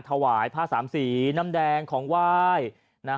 ถวายผ้าสามสีน้ำแดงของไหว้นะ